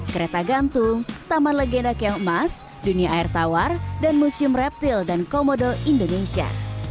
kereta gantung taman legenda keong emas dunia air tawar dan museum reptil dan komodo indonesia